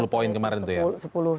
sepuluh poin kemarin itu ya